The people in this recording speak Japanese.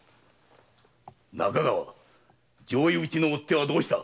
中川上意討ちの追手はどうした？